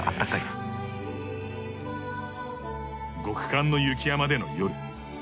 極寒の雪山での夜。